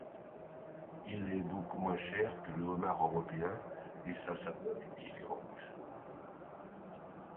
Il est beaucoup moins cher que le homard européen et sa saveur est différente.